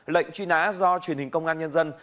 lệnh truy nã do truyền hình công an nhân dân